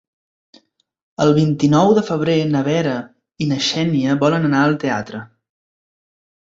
El vint-i-nou de febrer na Vera i na Xènia volen anar al teatre.